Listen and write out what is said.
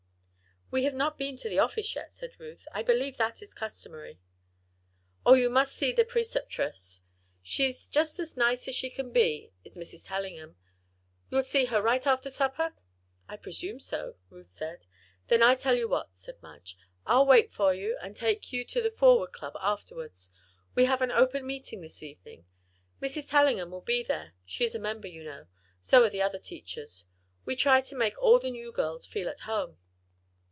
"We have not been to the office yet," said Ruth. "I believe that is customary?" "Oh, you must see the Preceptress. She's just as nice as she can be, is Mrs. Tellingham. You'll see her right after supper?" "I presume so," Ruth said. "Then, I tell you what," said Madge. "I'll wait for you and take you to the Forward Club afterwards. We have an open meeting this evening. Mrs. Tellingham will be there she is a member, you know so are the other teachers. We try to make all the new girls feel at home."